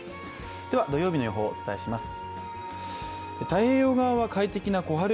では、土曜日の予報をお伝えします。